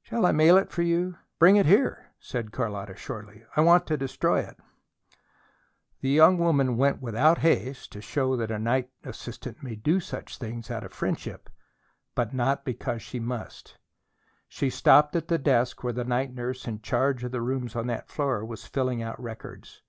"Shall I mail it for you?" "Bring it here," said Carlotta shortly. "I want to destroy it." The young woman went without haste, to show that a night assistant may do such things out of friendship, but not because she must. She stopped at the desk where the night nurse in charge of the rooms on that floor was filling out records.